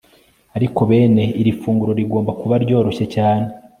ariko bene iri funguro rigomba kuba ryoroshye cyane